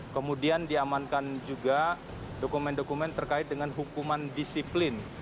kemudian diamankan juga dokumen dokumen terkait dengan hukuman disiplin